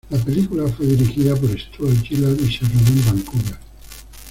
La película fue dirigida por Stuart Gillard y se rodó en Vancouver.